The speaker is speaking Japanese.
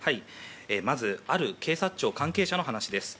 ある警察庁関係者の話です。